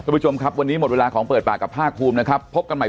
ทุกผู้ชมครับวันนี้หมดเวลาของเปิดปากกับภาคฟูมิ